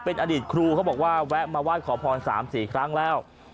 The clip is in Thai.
เป็นอดีตครูเขาบอกว่าแวะมาไหว้ขอพร๓๔ครั้งแล้ว